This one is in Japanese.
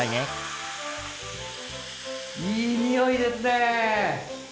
いい匂いですね。